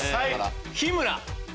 日村。